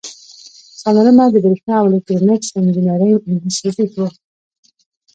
څلورمه د بریښنا او الکترونیکس انجینری انسټیټیوټ و.